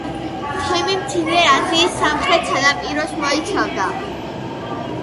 თემი მცირე აზიის სამხრეთ სანაპიროს მოიცავდა.